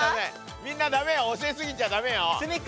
みんなダメよ教え過ぎちゃダメよ。